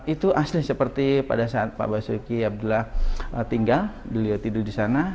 itu asli seperti pada saat pak basuki abdullah tinggal beliau tidur di sana